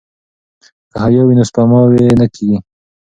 که حیا وي نو سپکاوی نه کیږي.